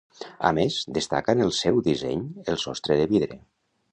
A més, destaca en el seu disseny el sostre de vidre.